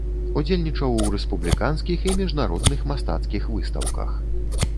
Удзельнічаў у рэспубліканскіх і міжнародных мастацкіх выстаўках.